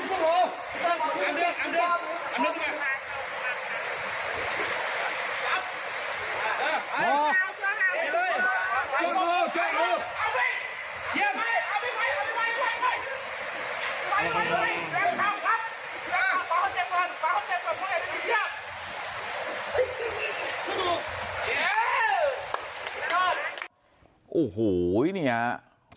ชั้นไม่มีทิศเทศเดียวอีกครั้งครั้งอันนี้นะครับ